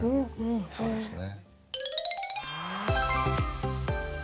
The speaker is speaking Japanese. そうですね。